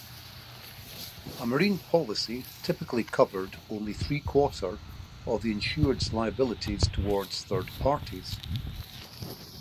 A marine policy typically covered only three-quarter of the insured's liabilities towards third parties.